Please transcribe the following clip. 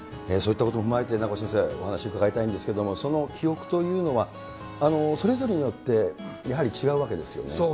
そういったことも踏まえて名越先生、お話伺いたいんですけど、その記憶というのは、それぞれによってやはり違うわけですよね。